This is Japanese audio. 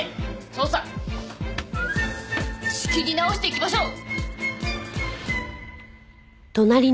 捜査仕切り直していきましょう！